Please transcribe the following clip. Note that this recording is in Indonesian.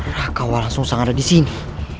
raka walang sungsang ada disini